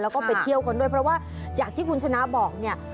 แล้วก็ไปเที่ยวกันด้วยเพราะว่าอย่างที่คุณชนะบอกเนี่ย